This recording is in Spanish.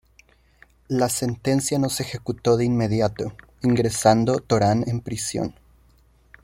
La sentencia no se ejecutó de inmediato, ingresando Torán en prisión.